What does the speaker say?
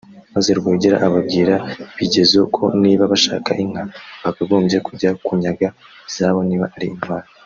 maze Rwogera ababwira bigezo ko niba bashaka inka bakagombye kujya kunyaga izabo niba ari intwali